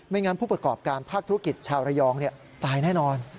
งั้นผู้ประกอบการภาคธุรกิจชาวระยองตายแน่นอน